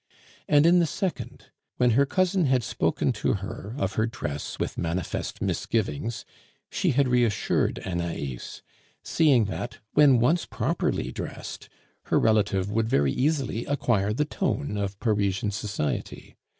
And, in the second, when her cousin had spoken to her of her dress with manifest misgivings, she had reassured Anais, seeing that, when once properly dressed, her relative would very easily acquire the tone of Parisian society.